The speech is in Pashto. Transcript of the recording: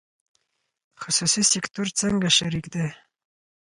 خصوصي سکتور څنګه شریک دی؟